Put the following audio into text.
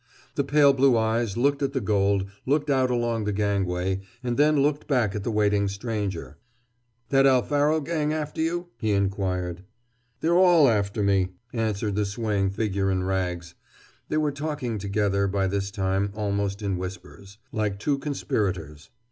The pale blue eyes looked at the gold, looked out along the gangway, and then looked back at the waiting stranger. "That Alfaro gang after you?" he inquired. "They're all after me!" answered the swaying figure in rags. They were talking together, by this time, almost in whispers, like two conspirators.